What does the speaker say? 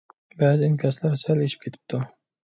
بەزى ئىنكاسلار سەل ئېشىپ كېتىپتۇ.